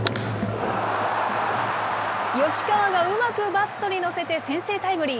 吉川がうまくバットに乗せて先制タイムリー。